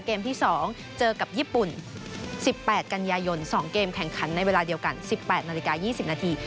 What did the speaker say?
เกมที่๒เจอกับญี่ปุ่น๑๘กันยายน๒เกมแข่งขันในเวลาเดียวกัน๑๘นาฬิกา๒๐นาที